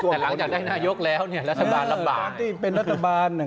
แต่หลังจากได้นายกแล้วเนี่ยรัฐบาลรับบ่าย